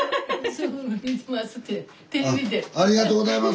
ありがとうございます。